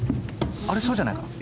あれそうじゃないかな？